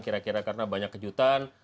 kira kira karena banyak kejutan